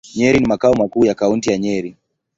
Nyeri ni makao makuu ya Kaunti ya Nyeri.